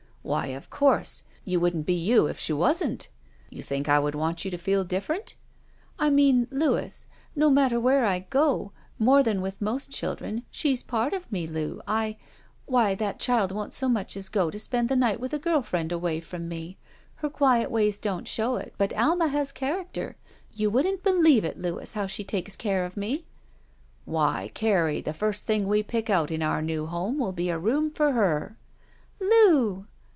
"Why, of course! You wouldn't be you if she wasn't. You think I would want you to fed differ ent?" "I mean — Louis — ^no matter where I go, more than with most children, she's part of me. Loo. I — Why, that child won't so much as go to spend the night with a girl friend away from me. Her quiet ways don't show it, but Ahna has character! You wouldn't bdieve it, Louis, how she takes care of me. "Why, Carrie, the first thing we pick out in our new home will be a room for her." "Loo!"